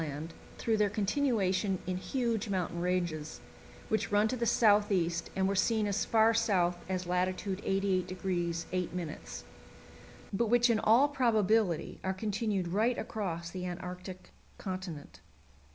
Land through their continuation in huge mountain ranges, which run to the south east and were seen as far south as lat. 88° 8', but which in all probability are continued right across the Antarctic Continent.